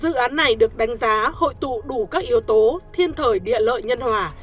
dự án này được đánh giá hội tụ đủ các yếu tố thiên thời địa lợi nhân hòa